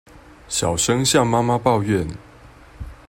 小聲向媽媽抱怨